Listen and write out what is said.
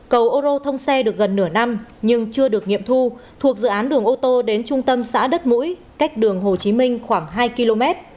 cầu ô thông xe được gần nửa năm nhưng chưa được nghiệm thu thuộc dự án đường ô tô đến trung tâm xã đất mũi cách đường hồ chí minh khoảng hai km